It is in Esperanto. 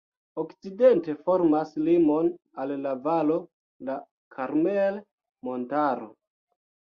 Okcidente formas limon al la valo la Karmel-montaro.